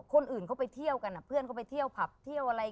คนอื่นเขาไปเที่ยวกันเพื่อนเขาไปเที่ยวผับเที่ยวอะไร